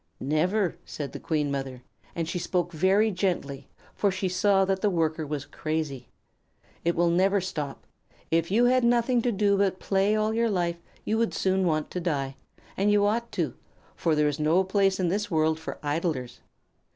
"Never," said the Queen Mother; and she spoke very gently, for she saw that the Worker was crazy. "It will never stop. If you had nothing to do but play all your life you would soon want to die, and you ought to, for there is no place in this world for idlers.